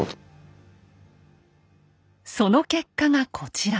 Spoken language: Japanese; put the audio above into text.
その結果がこちら。